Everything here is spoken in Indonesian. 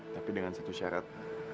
tapi dengan satu syarat